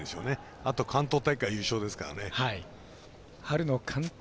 あと、関東大会優勝ですからね。